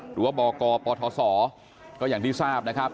หรือว่าบกปศก็อย่างที่ทราบนะครับ